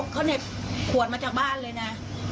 เขาเหน็บขวดมาจากบ้านเลยนะ